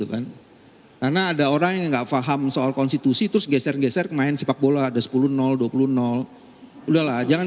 karena ada orang yang tidak paham soal konstitusi terus geser geser main sepak bola ada sepuluh dua puluh